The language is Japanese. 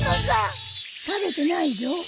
食べてないじょ。